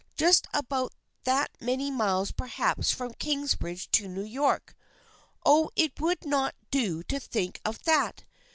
Just about that many miles perhaps from Kingsbridge to New York. Oh, it would not do to think of that